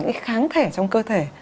cái kháng thể trong cơ thể